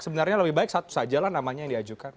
sebenarnya lebih baik satu sajalah namanya yang diajukan